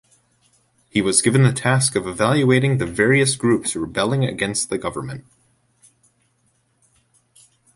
He was given the task of evaluating the various groups rebelling against the government.